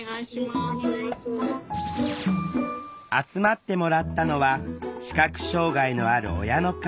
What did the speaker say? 集まってもらったのは視覚障害のある親の会